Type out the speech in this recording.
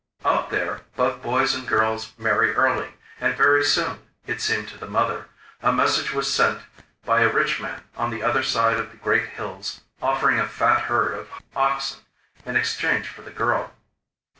Out there both boys and girls marry early, and very soon, it seemed to the mother, a message was sent by a rich man on the other side of the great hills offering a fat herd of oxen in exchange for the girl.